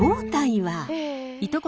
はい。